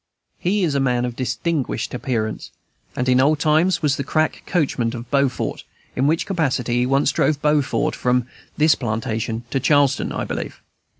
He is a man of distinguished appearance, and in old times was the crack coachman of Beaufort, in which capacity he once drove Beauregard from this plantation to Charleston, I believe.